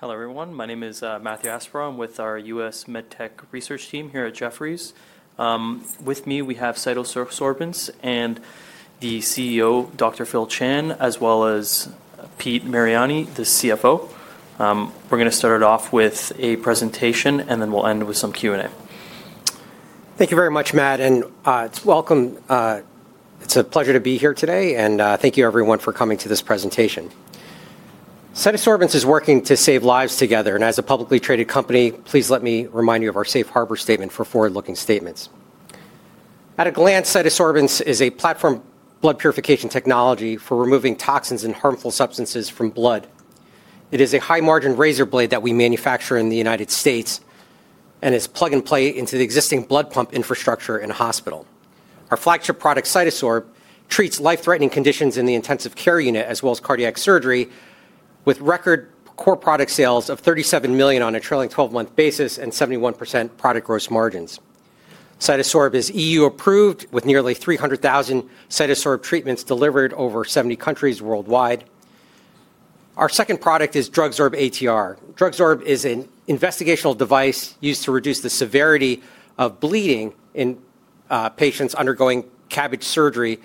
Hello, everyone. My name is Matthew Aspro. I'm with our U.S. MedTech research team here at Jefferies. With me, we have CytoSorbents and the CEO, Dr. Phil Chan, as well as Pete Mariani, the CFO. We're going to start it off with a presentation, and then we'll end with some Q&A. Thank you very much, Matt, and welcome. It's a pleasure to be here today, and thank you, everyone, for coming to this presentation. CytoSorbents is working to save lives together, and as a publicly traded company, please let me remind you of our safe harbor statement for forward-looking statements. At a glance, CytoSorbents is a platform blood purification technology for removing toxins and harmful substances from blood. It is a high-margin razor blade that we manufacture in the United States and is plug-and-play into the existing blood pump infrastructure in a hospital. Our flagship product, CytoSorb, treats life-threatening conditions in the intensive care unit as well as cardiac surgery, with record core product sales of $37 million on a trailing 12-month basis and 71% product gross margins. CytoSorb is EU-approved, with nearly 300,000 CytoSorb treatments delivered over 70 countries worldwide. Our second product is DrugSorb-ATR. ATR is an investigational device used to reduce the severity of bleeding in patients undergoing CABG surgery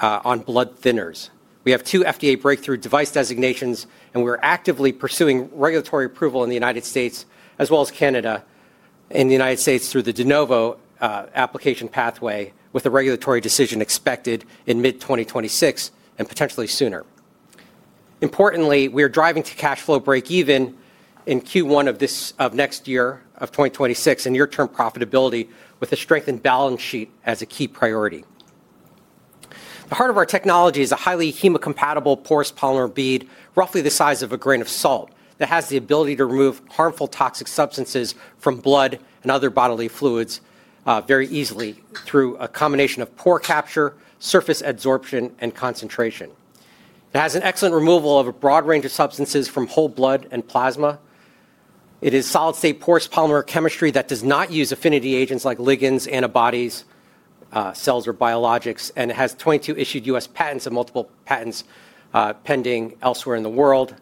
on blood thinners. We have two FDA breakthrough device designations, and we're actively pursuing regulatory approval in the United States as well as Canada, in the United States through the De Novo application pathway, with a regulatory decision expected in mid-2026 and potentially sooner. Importantly, we are driving to cash flow break-even in Q1 of next year of 2026 and near-term profitability with a strengthened balance sheet as a key priority. The heart of our technology is a highly hemocompatible porous polymer bead, roughly the size of a grain of salt, that has the ability to remove harmful toxic substances from blood and other bodily fluids very easily through a combination of pore capture, surface adsorption, and concentration. It has an excellent removal of a broad range of substances from whole blood and plasma. It is solid-state porous polymer chemistry that does not use affinity agents like ligands, antibodies, cells, or biologics, and it has 22 issued U.S. patents and multiple patents pending elsewhere in the world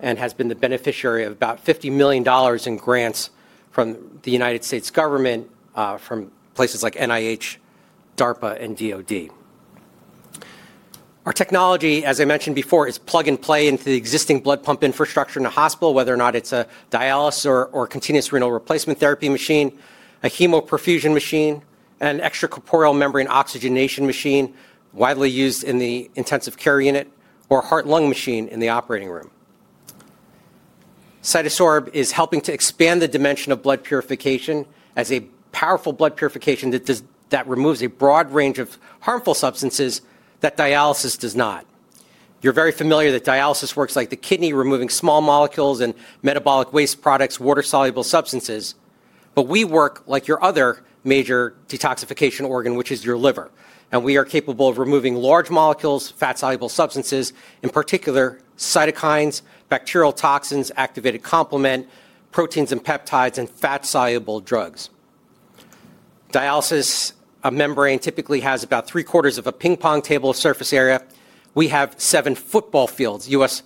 and has been the beneficiary of about $50 million in grants from the United States government, from places like NIH, DARPA, and DoD. Our technology, as I mentioned before, is plug-and-play into the existing blood pump infrastructure in a hospital, whether or not it's a dialysis or continuous renal replacement therapy machine, a hemoperfusion machine, an extracorporeal membrane oxygenation machine widely used in the intensive care unit, or a heart-lung machine in the operating room. CytoSorb is helping to expand the dimension of blood purification as a powerful blood purification that does that removes a broad range of harmful substances that dialysis does not. You're very familiar that dialysis works like the kidney, removing small molecules and metabolic waste products, water-soluble substances, but we work like your other major detoxification organ, which is your liver, and we are capable of removing large molecules, fat-soluble substances, in particular cytokines, bacterial toxins, activated complement, proteins and peptides, and fat-soluble drugs. Dialysis, a membrane, typically has about 3/4 of a ping-pong table of surface area. We have seven football fields, U.S.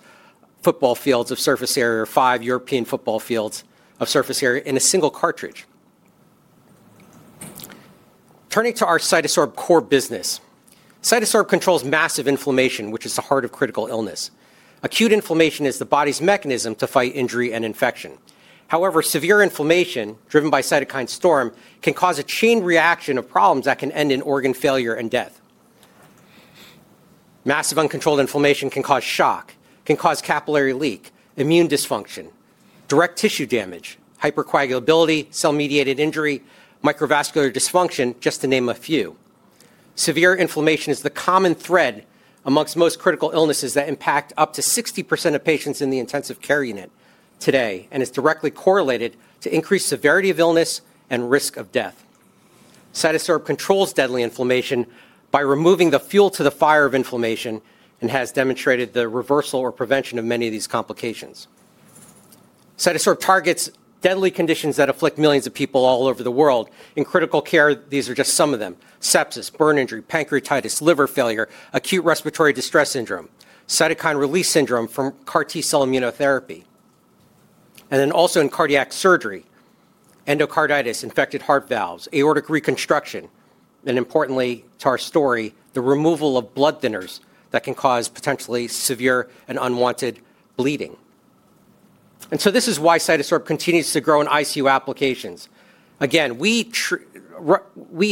football fields of surface area, or five European football fields of surface area in a single cartridge. Turning to our CytoSorb core business, CytoSorb controls massive inflammation, which is the heart of critical illness. Acute inflammation is the body's mechanism to fight injury and infection. However, severe inflammation driven by cytokine storm can cause a chain reaction of problems that can end in organ failure and death. Massive uncontrolled inflammation can cause shock, can cause capillary leak, immune dysfunction, direct tissue damage, hypercoagulability, cell-mediated injury, microvascular dysfunction, just to name a few. Severe inflammation is the common thread amongst most critical illnesses that impact up to 60% of patients in the intensive care unit today and is directly correlated to increased severity of illness and risk of death. CytoSorb controls deadly inflammation by removing the fuel to the fire of inflammation and has demonstrated the reversal or prevention of many of these complications. CytoSorb targets deadly conditions that afflict millions of people all over the world. In critical care, these are just some of them: sepsis, burn injury, pancreatitis, liver failure, acute respiratory distress syndrome, cytokine release syndrome from CAR T-cell immunotherapy, and then also in cardiac surgery, endocarditis, infected heart valves, aortic reconstruction, and importantly to our story, the removal of blood thinners that can cause potentially severe and unwanted bleeding. This is why CytoSorb continues to grow in ICU applications. Again, we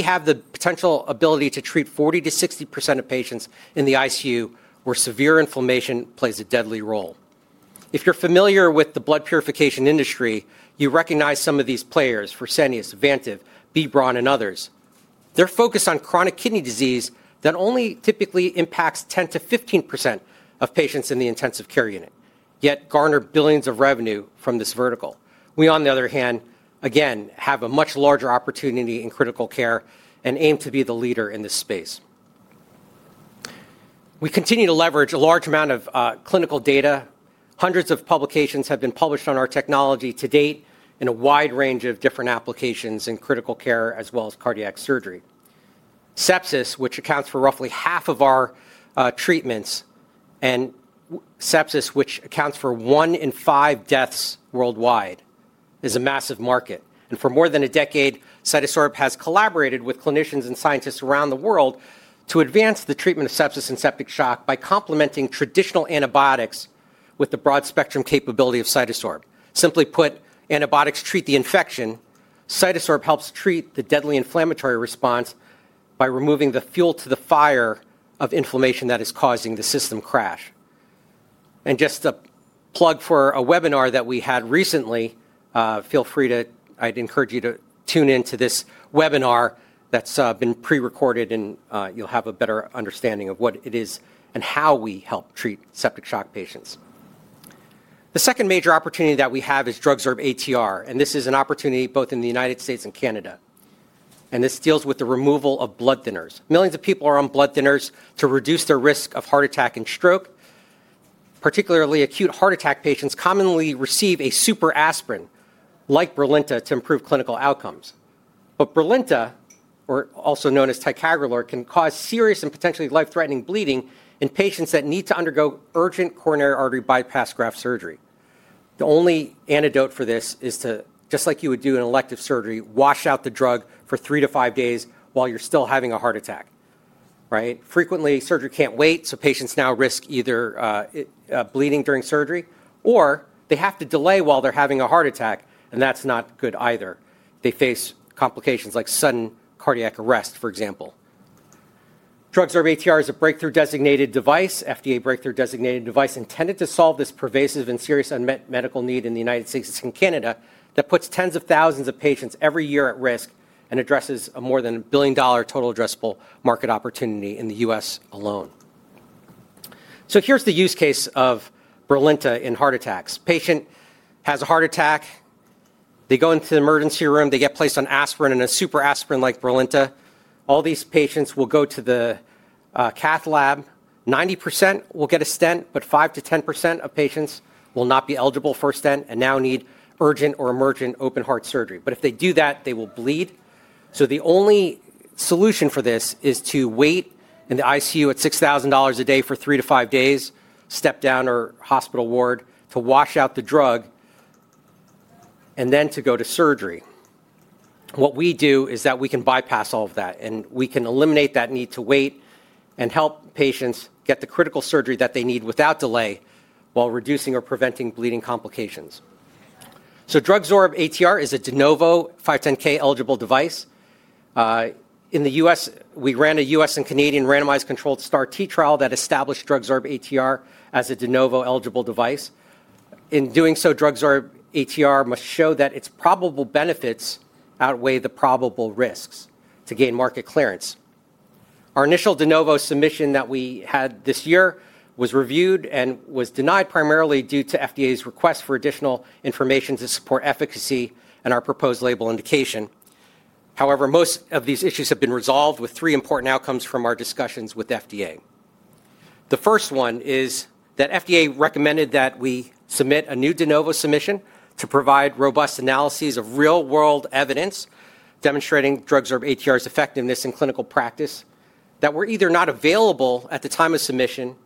have the potential ability to treat 40%-60% of patients in the ICU where severe inflammation plays a deadly role. If you're familiar with the blood purification industry, you recognize some of these players: Fresenius, Vantiv, B. Braun, and others. They're focused on chronic kidney disease that only typically impacts 10%-15% of patients in the intensive care unit, yet garner billions of revenue from this vertical. We, on the other hand, again, have a much larger opportunity in critical care and aim to be the leader in this space. We continue to leverage a large amount of clinical data. Hundreds of publications have been published on our technology to date in a wide range of different applications in critical care as well as cardiac surgery. Sepsis, which accounts for roughly half of our treatments, and sepsis, which accounts for one in five deaths worldwide, is a massive market. For more than a decade, CytoSorb has collaborated with clinicians and scientists around the world to advance the treatment of sepsis and septic shock by complementing traditional antibiotics with the broad-spectrum capability of CytoSorb. Simply put, antibiotics treat the infection. CytoSorb helps treat the deadly inflammatory response by removing the fuel to the fire of inflammation that is causing the system crash. Just a plug for a webinar that we had recently, feel free to, I'd encourage you to tune into this webinar that's been pre-recorded, and you'll have a better understanding of what it is and how we help treat septic shock patients. The second major opportunity that we have is DrugSorb-ATR, and this is an opportunity both in the United States and Canada, and this deals with the removal of blood thinners. Millions of people are on blood thinners to reduce their risk of heart attack and stroke. Particularly, acute heart attack patients commonly receive a super aspirin like Brilinta to improve clinical outcomes. Brilinta, or also known as ticagrelor, can cause serious and potentially life-threatening bleeding in patients that need to undergo urgent coronary artery bypass graft surgery. The only antidote for this is to, just like you would do in elective surgery, wash out the drug for three-five days while you're still having a heart attack, right? Frequently, surgery can't wait, so patients now risk either bleeding during surgery, or they have to delay while they're having a heart attack, and that's not good either. They face complications like sudden cardiac arrest, for example. DrugSorb-ATR is a breakthrough designated device, FDA breakthrough designated device, intended to solve this pervasive and serious unmet medical need in the United States and Canada that puts tens of thousands of patients every year at risk and addresses a more than $1 billion total addressable market opportunity in the U.S. alone. Here's the use case of Brilinta in heart attacks. Patient has a heart attack. They go into the emergency room. They get placed on aspirin and a super aspirin like Brilinta. All these patients will go to the cath lab. 90% will get a stent, but 5%-10% of patients will not be eligible for a stent and now need urgent or emergent open-heart surgery. If they do that, they will bleed. The only solution for this is to wait in the ICU at $6,000 a day for three-five days, step down or hospital ward to wash out the drug, and then to go to surgery. What we do is that we can bypass all of that, and we can eliminate that need to wait and help patients get the critical surgery that they need without delay while reducing or preventing bleeding complications. DrugSorb-ATR is a De Novo 510(k) eligible device. In the U.S., we ran a U.S. and Canadian randomized controlled STAR-T trial that established DrugSorb-ATR as a De Novo eligible device. In doing so, DrugSorb-ATR must show that its probable benefits outweigh the probable risks to gain market clearance. Our initial De Novo submission that we had this year was reviewed and was denied primarily due to FDA's request for additional information to support efficacy and our proposed label indication. However, most of these issues have been resolved with three important outcomes from our discussions with FDA. The first one is that FDA recommended that we submit a new De Novo submission to provide robust analyses of real-world evidence demonstrating DrugSorb-ATR's effectiveness in clinical practice that were either not available at the time of submission,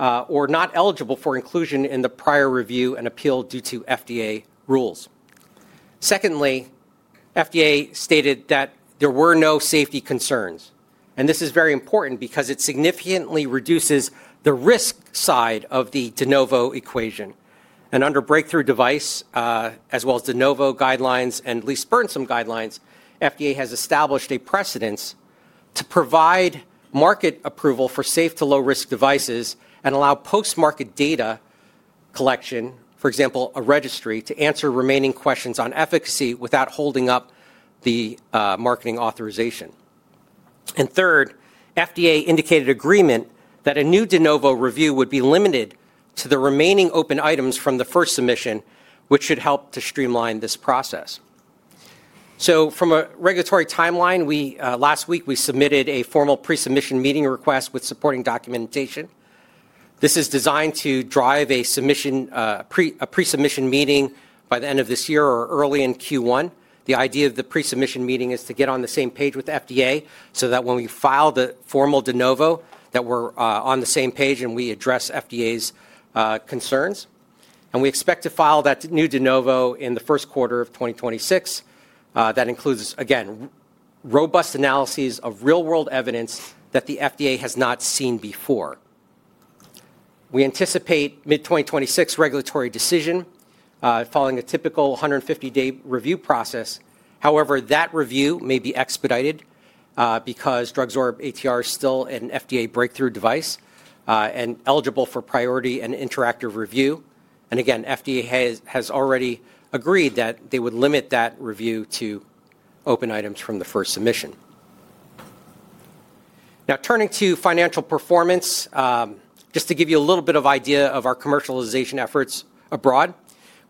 or not eligible for inclusion in the prior review and appeal due to FDA rules. Secondly, FDA stated that there were no safety concerns, and this is very important because it significantly reduces the risk side of the De Novo equation. Under breakthrough device, as well as De Novo guidelines and least burdensome guidelines, FDA has established a precedence to provide market approval for safe to low-risk devices and allow post-market data collection, for example, a registry, to answer remaining questions on efficacy without holding up the marketing authorization. Third, FDA indicated agreement that a new De Novo review would be limited to the remaining open items from the first submission, which should help to streamline this process. From a regulatory timeline, last week, we submitted a formal pre-submission meeting request with supporting documentation. This is designed to drive a pre-submission meeting by the end of this year or early in Q1. The idea of the pre-submission meeting is to get on the same page with FDA so that when we file the formal De Novo, that we're on the same page and we address FDA's concerns. We expect to file that new De Novo in the first quarter of 2026. That includes, again, robust analyses of real-world evidence that the FDA has not seen before. We anticipate mid-2026 regulatory decision, following a typical 150-day review process. However, that review may be expedited, because DrugSorb-ATR is still an FDA breakthrough device, and eligible for priority and interactive review. Again, FDA has already agreed that they would limit that review to open items from the first submission. Now, turning to financial performance, just to give you a little bit of idea of our commercialization efforts abroad,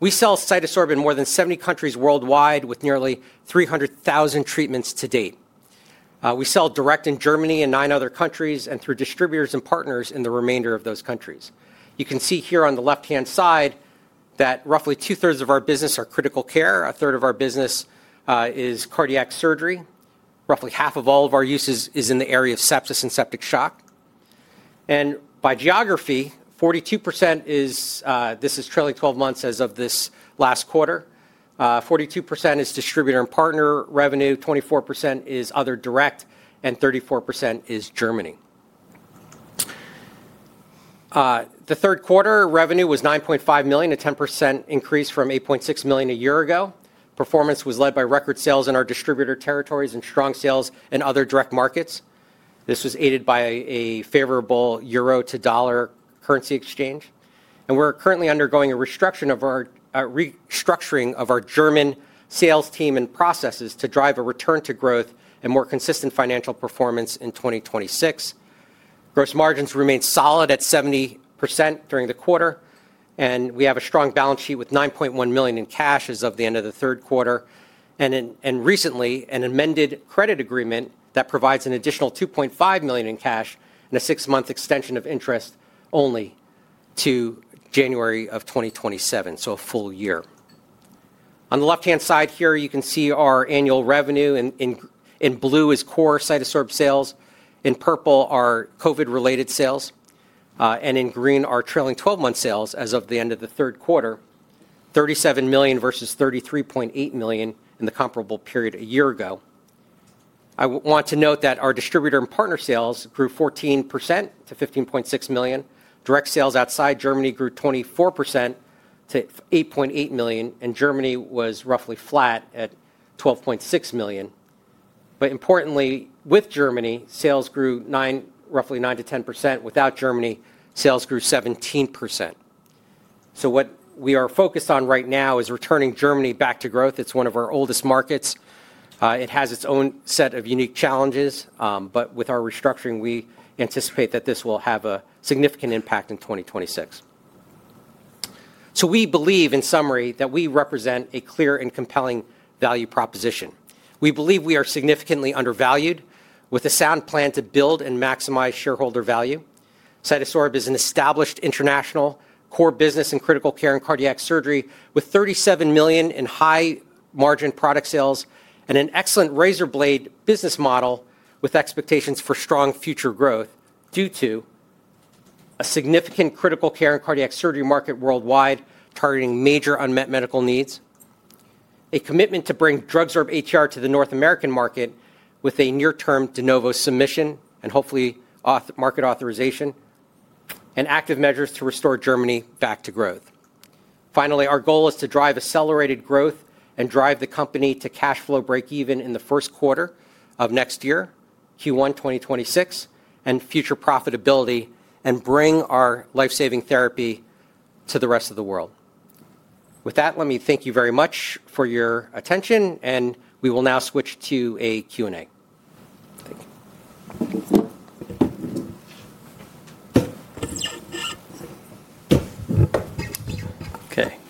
we sell CytoSorb in more than 70 countries worldwide with nearly 300,000 treatments to date. We sell direct in Germany and nine other countries and through distributors and partners in the remainder of those countries. You can see here on the left-hand side that roughly 2/3 of our business are critical care. A 1/3 of our business is cardiac surgery. Roughly half of all of our uses is in the area of sepsis and septic shock. By geography, 42% is, this is trailing 12 months as of this last quarter, 42% is distributor and partner revenue, 24% is other direct, and 34% is Germany. The third quarter revenue was $9.5 million, a 10% increase from $8.6 million a year ago. Performance was led by record sales in our distributor territories and strong sales in other direct markets. This was aided by a favorable euro-to-dollar currency exchange. We are currently undergoing a restructuring of our German sales team and processes to drive a return to growth and more consistent financial performance in 2026. Gross margins remained solid at 70% during the quarter, and we have a strong balance sheet with $9.1 million in cash as of the end of the third quarter. Recently, an amended credit agreement provides an additional $2.5 million in cash and a six-month extension of interest only to January of 2027, so a full year. On the left-hand side here, you can see our annual revenue. In blue is core CytoSorb sales. In purple are COVID-related sales. And in green are trailing 12-month sales as of the end of the third quarter, $37 million versus $33.8 million in the comparable period a year ago. I want to note that our distributor and partner sales grew 14% to $15.6 million. Direct sales outside Germany grew 24% to $8.8 million, and Germany was roughly flat at $12.6 million. Importantly, with Germany, sales grew roughly 9%-10%. Without Germany, sales grew 17%. What we are focused on right now is returning Germany back to growth. It is one of our oldest markets. It has its own set of unique challenges, but with our restructuring, we anticipate that this will have a significant impact in 2026. We believe, in summary, that we represent a clear and compelling value proposition. We believe we are significantly undervalued with a sound plan to build and maximize shareholder value. CytoSorb is an established international core business in critical care and cardiac surgery with $37 million in high-margin product sales and an excellent razor blade business model with expectations for strong future growth due to a significant critical care and cardiac surgery market worldwide targeting major unmet medical needs, a commitment to bring DrugSorb-ATR to the North American market with a near-term De Novo submission and hopefully market authorization, and active measures to restore Germany back to growth. Finally, our goal is to drive accelerated growth and drive the company to cash flow breakeven in the first quarter of next year, Q1 2026, and future profitability, and bring our lifesaving therapy to the rest of the world. With that, let me thank you very much for your attention, and we will now switch to a Q&A. Okay,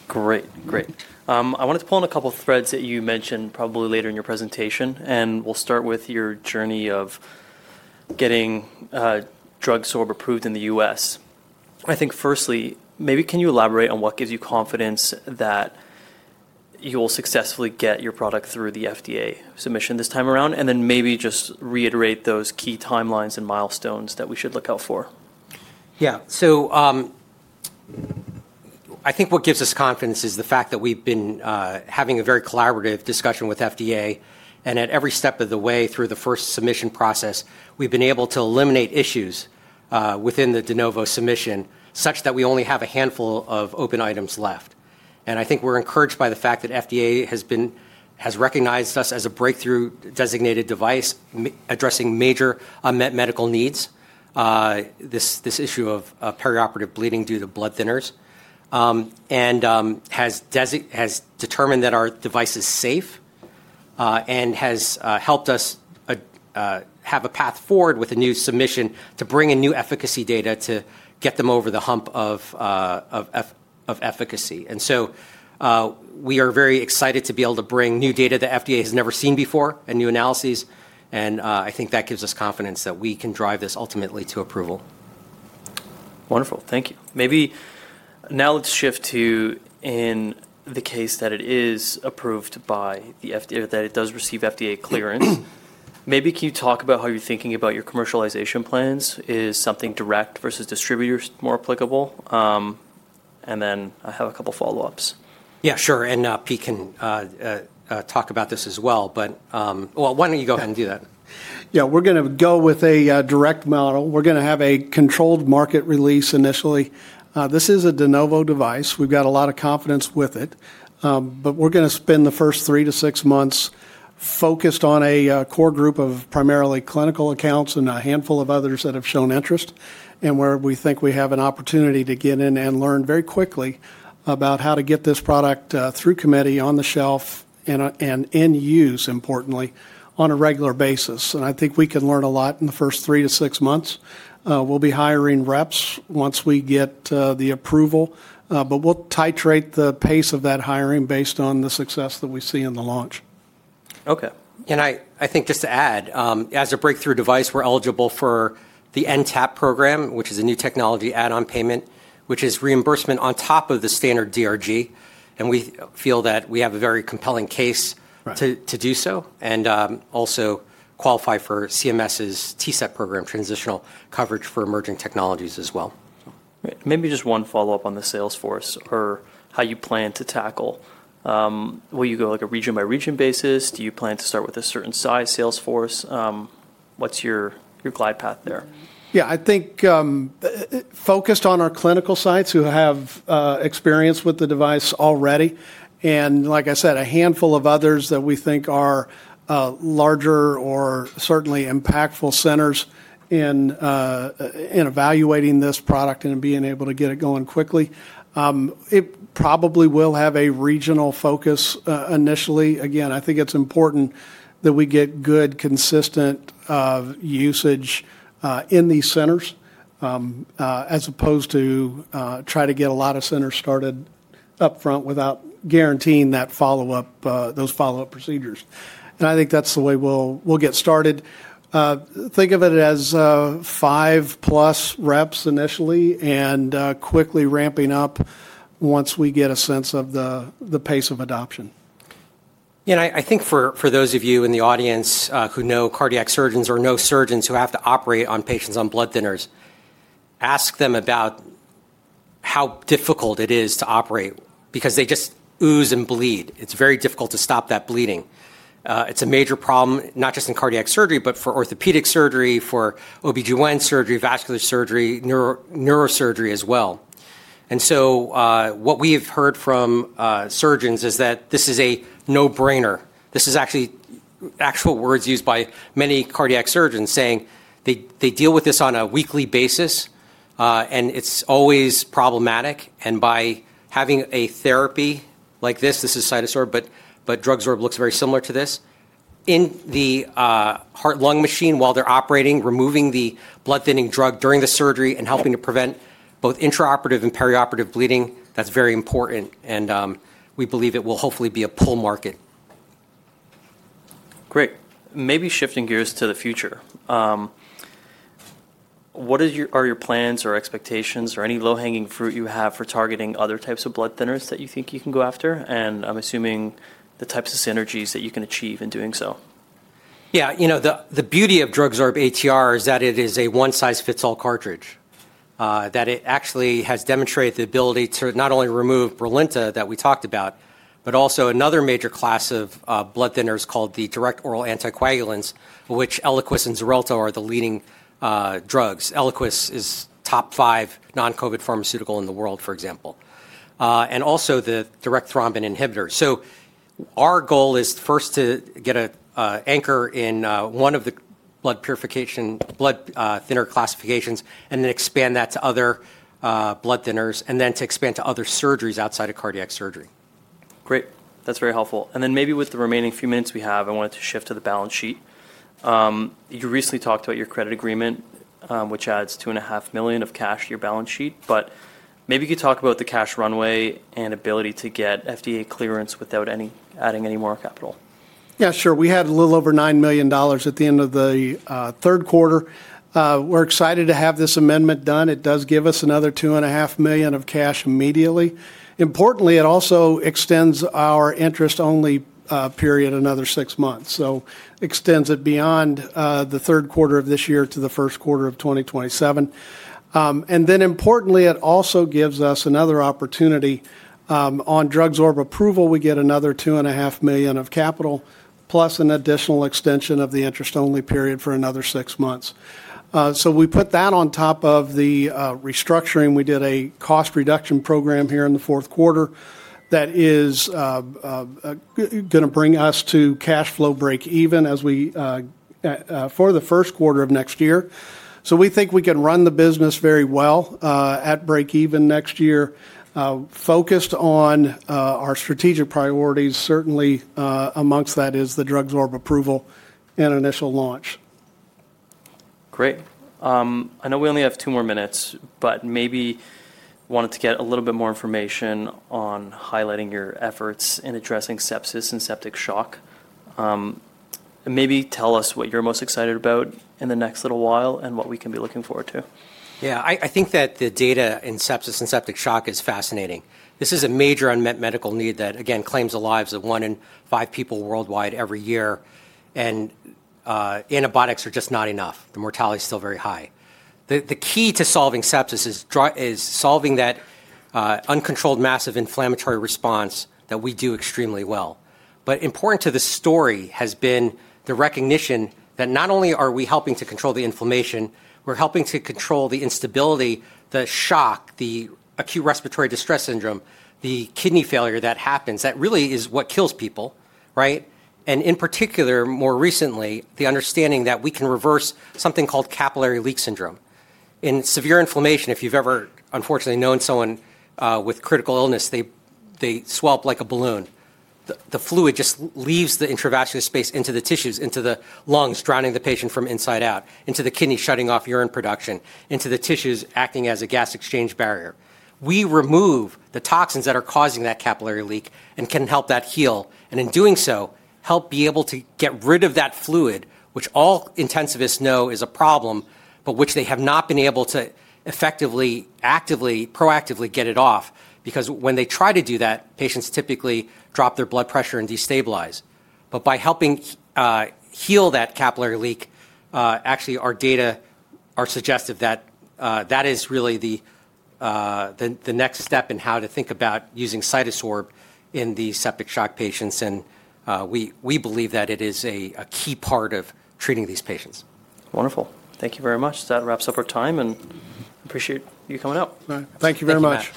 great, great. I wanted to pull on a couple of threads that you mentioned probably later in your presentation, and we'll start with your journey of getting DrugSorb approved in the U.S. I think firstly, maybe can you elaborate on what gives you confidence that you will successfully get your product through the FDA submission this time around, and then maybe just reiterate those key timelines and milestones that we should look out for? Yeah, so, I think what gives us confidence is the fact that we've been having a very collaborative discussion with FDA, and at every step of the way through the first submission process, we've been able to eliminate issues within the De Novo submission such that we only have a handful of open items left. I think we're encouraged by the fact that FDA has recognized us as a breakthrough designated device addressing major unmet medical needs, this issue of perioperative bleeding due to blood thinners, and has determined that our device is safe, and has helped us have a path forward with a new submission to bring in new efficacy data to get them over the hump of efficacy. We are very excited to be able to bring new data that FDA has never seen before and new analyses, and I think that gives us confidence that we can drive this ultimately to approval. Wonderful, thank you. Maybe now let's shift to, in the case that it is approved by the FDA, that it does receive FDA clearance, maybe can you talk about how you're thinking about your commercialization plans? Is something direct versus distributors more applicable? And then I have a couple of follow-ups. Yeah, sure, and Pete can talk about this as well, but why don't you go ahead and do that? Yeah, we're going to go with a direct model. We're going to have a controlled market release initially. This is a De Novo device. We've got a lot of confidence with it, but we're going to spend the first three-six months focused on a core group of primarily clinical accounts and a handful of others that have shown interest, and where we think we have an opportunity to get in and learn very quickly about how to get this product through committee, on the shelf, and in use, importantly, on a regular basis. I think we can learn a lot in the first three-six months. We'll be hiring reps once we get the approval, but we'll titrate the pace of that hiring based on the success that we see in the launch. Okay, and I think just to add, as a breakthrough device, we're eligible for the NTAP program, which is a new technology add-on payment, which is reimbursement on top of the standard DRG. We feel that we have a very compelling case to do so and also qualify for CMS's TCET program, transitional coverage for emerging technologies as well. Maybe just one follow-up on the sales force or how you plan to tackle, will you go like a region-by-region basis? Do you plan to start with a certain size sales force? What's your glide path there? Yeah, I think, focused on our clinical sites who have experience with the device already, and like I said, a handful of others that we think are larger or certainly impactful centers in evaluating this product and being able to get it going quickly. It probably will have a regional focus, initially. Again, I think it's important that we get good, consistent usage in these centers, as opposed to try to get a lot of centers started upfront without guaranteeing that follow-up, those follow-up procedures. I think that's the way we'll get started. Think of it as five plus reps initially and quickly ramping up once we get a sense of the pace of adoption. You know, I think for those of you in the audience who know cardiac surgeons or know surgeons who have to operate on patients on blood thinners, ask them about how difficult it is to operate because they just ooze and bleed. It's very difficult to stop that bleeding. It's a major problem, not just in cardiac surgery, but for orthopedic surgery, for OB-GYN surgery, vascular surgery, neurosurgery as well. What we have heard from surgeons is that this is a no-brainer. This is actually actual words used by many cardiac surgeons saying they deal with this on a weekly basis, and it's always problematic. By having a therapy like this, this is CytoSorb, but DrugSorb looks very similar to this in the heart-lung machine while they're operating, removing the blood-thinning drug during the surgery and helping to prevent both intraoperative and perioperative bleeding. That's very important. We believe it will hopefully be a pull market. Great. Maybe shifting gears to the future, what are your plans or expectations or any low-hanging fruit you have for targeting other types of blood thinners that you think you can go after? I'm assuming the types of synergies that you can achieve in doing so. Yeah, you know, the beauty of DrugSorb-ATR is that it is a one-size-fits-all cartridge, that it actually has demonstrated the ability to not only remove Brilinta that we talked about, but also another major class of blood thinners called the direct oral anticoagulants, which ELIQUIS and XARELTO are the leading drugs. ELIQUIS is top five non-COVID pharmaceutical in the world, for example, and also the direct thrombin inhibitor. Our goal is first to get an anchor in one of the blood purification blood thinner classifications and then expand that to other blood thinners and then to expand to other surgeries outside of cardiac surgery. Great. That's very helpful. Maybe with the remaining few minutes we have, I wanted to shift to the balance sheet. You recently talked about your credit agreement, which adds $2.5 million of cash to your balance sheet, but maybe you could talk about the cash runway and ability to get FDA clearance without adding any more capital. Yeah, sure. We had a little over $9 million at the end of the third quarter. We're excited to have this amendment done. It does give us another $2.5 million of cash immediately. Importantly, it also extends our interest-only period another six months. It extends it beyond the third quarter of this year to the first quarter of 2027. Importantly, it also gives us another opportunity on DrugSorb-ATR approval. We get another $2.5 million of capital, plus an additional extension of the interest-only period for another six months. We put that on top of the restructuring. We did a cost reduction program here in the fourth quarter that is going to bring us to cash flow break even as we, for the first quarter of next year. We think we can run the business very well, at break even next year, focused on our strategic priorities. Certainly, amongst that is the DrugSorb-ATR approval and initial launch. Great. I know we only have two more minutes, but maybe wanted to get a little bit more information on highlighting your efforts in addressing sepsis and septic shock. Maybe tell us what you're most excited about in the next little while and what we can be looking forward to. Yeah, I think that the data in sepsis and septic shock is fascinating. This is a major unmet medical need that, again, claims the lives of one in five people worldwide every year. Antibiotics are just not enough. The mortality is still very high. The key to solving sepsis is solving that uncontrolled massive inflammatory response that we do extremely well. Important to the story has been the recognition that not only are we helping to control the inflammation, we're helping to control the instability, the shock, the acute respiratory distress syndrome, the kidney failure that happens, that really is what kills people, right? In particular, more recently, the understanding that we can reverse something called capillary leak syndrome in severe inflammation. If you've ever unfortunately known someone with critical illness, they swell up like a balloon. The fluid just leaves the intravascular space into the tissues, into the lungs, drowning the patient from inside out, into the kidney, shutting off urine production, into the tissues acting as a gas exchange barrier. We remove the toxins that are causing that capillary leak and can help that heal. In doing so, help be able to get rid of that fluid, which all intensivists know is a problem, but which they have not been able to effectively, actively, proactively get it off. Because when they try to do that, patients typically drop their blood pressure and destabilize. By helping heal that capillary leak, actually our data are suggestive that is really the next step in how to think about using CytoSorb in the septic shock patients. We believe that it is a key part of treating these patients. Wonderful. Thank you very much. That wraps up our time and appreciate you coming up. Thank you very much.